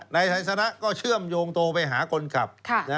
ในทัยสนะก็เชื่อมโยงโตไปหาคนขับ